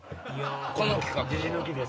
この企画を。